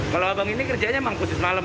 kalau abang ini kerjanya memang khusus malam ya